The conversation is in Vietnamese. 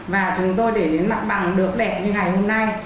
và chúng tôi để đến mặt bằng được đẹp như ngày hôm nay